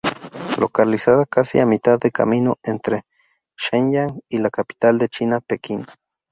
Localizada casi a mitad de camino entre Shenyang y la capital de China, Pekín.